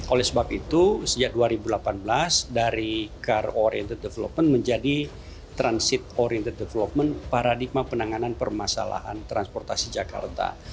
oleh sebab itu sejak dua ribu delapan belas dari car oriented development menjadi transit oriented development paradigma penanganan permasalahan transportasi jakarta